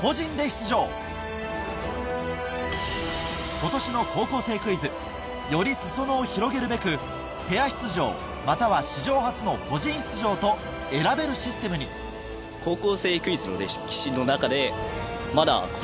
今年の『高校生クイズ』より裾野を広げるべくペア出場または史上初の個人出場と選べるシステムにそんな口僕。